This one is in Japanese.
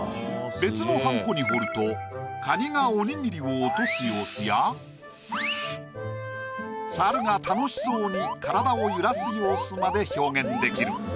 別のはんこに彫るとカニがおにぎりを落とす様子やサルが楽しそうに体を揺らす様子まで表現できる。